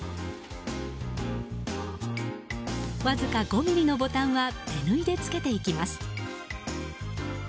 わずか５ｍｍのボタンは手縫いでつけていきます。